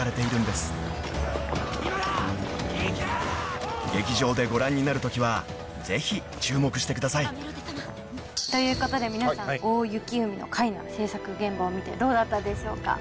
「今だいけ！」［劇場でご覧になるときはぜひ注目してください］ということで皆さん『大雪海のカイナ』制作現場を見てどうだったでしょうか。